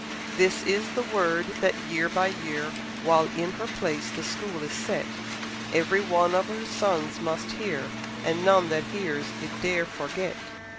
This is the word that year by year, While in her place the school is set, Every one of her sons must hear, And none that hears it dare forget.